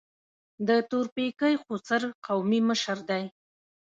د تورپیکۍ خوسر قومي مشر دی.